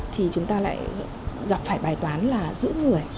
thì chúng ta lại gặp phải bài toán là giữ người